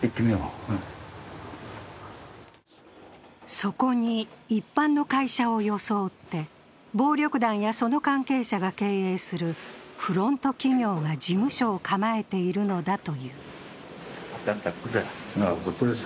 そこに、一般の会社を装って暴力団やその関係者が経営するフロント企業が事務所を構えているのだという。